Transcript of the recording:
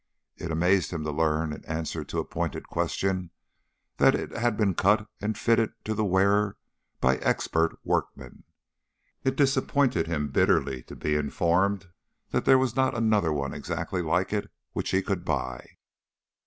It amazed him to learn, in answer to a pointed question, that it had been cut and fitted to the wearer by expert workmen. It disappointed him bitterly to be informed that there was not another one exactly like it which he could buy.